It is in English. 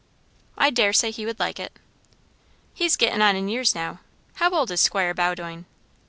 "I daresay he would like it." "He's gettin' on in years now. How old is Squire Bowdoin?"